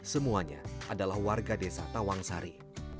semuanya adalah warga desa tawang sari